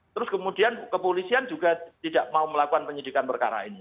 terus kemudian kepolisian juga tidak mau melakukan penyidikan perkara ini